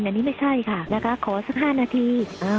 อันนี้ไม่ใช่ค่ะนะคะขอสัก๕นาที